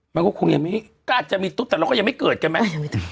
มันก็คงไม่กล้าจะมีตุ๊กแต่เราก็ยังไม่เกิดกันมั้ย